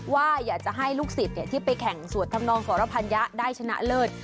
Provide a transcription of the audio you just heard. ว่าอยากจะให้ลูกศิษย์ที่ไปแข่งสวดธรรมนองสรพัญญะได้ชนะเลิศ